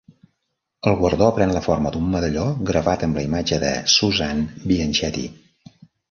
El guardó pren la forma d'un medalló gravat amb la imatge de Suzanne Bianchetti.